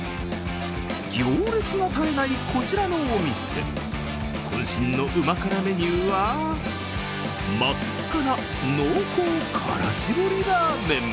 行列が絶えないこちらのお店、こん身の旨辛メニューは、真っ赤な濃厚辛搾りラーメン。